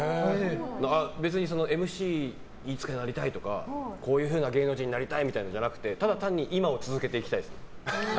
別にＭＣにいつかなりたいとかこういうふうな芸能人になりたいみたいなのじゃなくてただ単に今を続けていきたいですね。